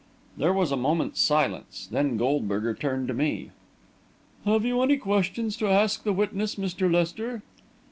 There was a moment's silence, then Goldberger turned to me. "Have you any questions to ask the witness, Mr. Lester?"